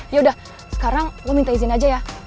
yaudah sekarang gue minta izin aja ya